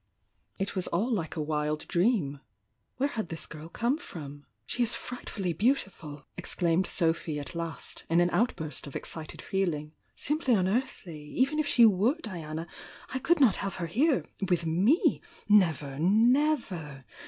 It was all like a wild dream! — where had this girl come from? "She is frightfully beautiful!" exclaimed Sophy at last, in an outburst of excited feeling— "Simply un earthly! Even if she were Diana, I could not have her here! — with me! — ^never — never!